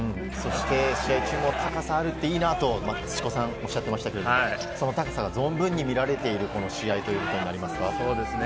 試合中も高さがあるっていいなぁと土子さんおっしゃっていましたが、高さが存分に見られている試合ということになりますか？